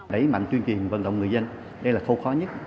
đẩy mạnh tuyên truyền vận động người dân đây là khâu khó nhất